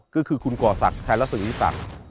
ก็คือคุณก่อศักดิ์ชายละศึกอีศักดิ์